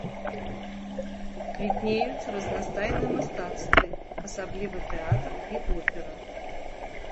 Квітнеюць разнастайныя мастацтвы, асабліва тэатр і опера.